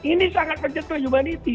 ini sangat menyentuh humanity